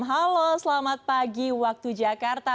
halo selamat pagi waktu jakarta